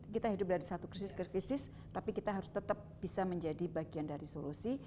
kita hidup dari satu krisis ke krisis tapi kita harus tetap bisa menjadi bagian dari solusi